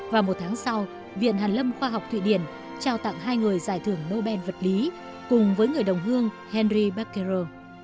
và một tháng sau viện hàn lâm khoa học thụy điển trao tặng hai người giải thưởng nobel vật lý cùng với người đồng hương henry barketiro